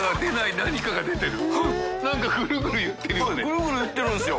ぐるぐるいってるんですよ。